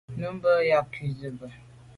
Mû’ndə̀ bù à’ mà’ ú cá ú zî bə́.